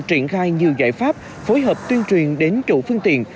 triển khai nhiều giải pháp phối hợp tuyên truyền đến chủ phương tiện